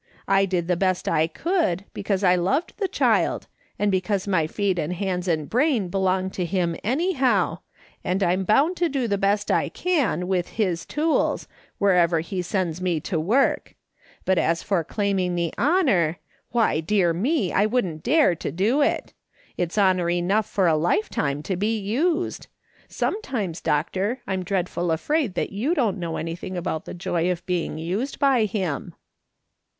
I did the best I could, because I loved the child, and because my feet and hands and brain belong to him anyhow, and I'm bound to do the best I can with his tools wherever he sets me to work ; but as for claiming the honour, why, dear me, I wouldn't dare to do it. It's honour enough for a lifetime to be used. Some times, doctor, I'm dreadful afraid that you don't «26 MRS. SOLOMON SMITH LOOKING ON. know anything about the joy of being used by Him."